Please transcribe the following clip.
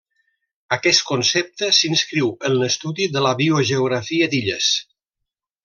Aquest concepte s'inscriu en l'estudi de la biogeografia d'illes.